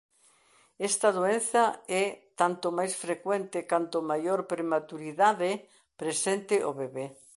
Esta doenza é tanto máis frecuente canto maior prematuridade presente o bebé.